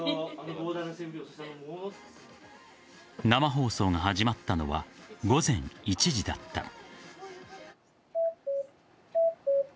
生放送が始まったのは午前１時だった。